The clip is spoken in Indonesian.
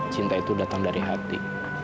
cinta itu datang dari hati